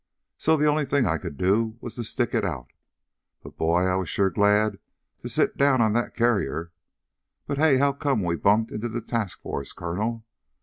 So the only thing I could do was to stick it out. But, boy! I was sure glad to sit down on that carrier. But, hey! How come we bumped into the task force, Colonel?